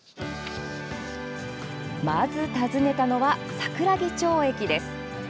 まず訪ねたのは桜木町駅です。